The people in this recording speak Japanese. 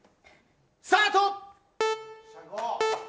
スタート。